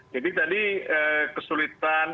jadi tadi kesulitan